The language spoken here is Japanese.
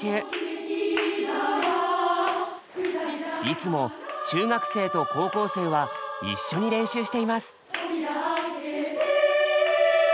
いつも中学生と高校生は一緒に練習しています。